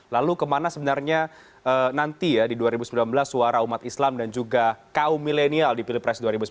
lalu kemana sebenarnya nanti ya di dua ribu sembilan belas suara umat islam dan juga kaum milenial di pilpres dua ribu sembilan belas